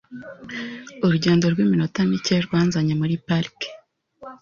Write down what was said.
Urugendo rw'iminota mike rwanzanye muri parike .